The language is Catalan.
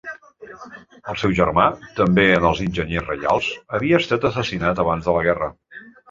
El seu germà –també en els enginyers reials– havia estat assassinat abans de la guerra.